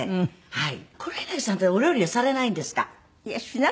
はい。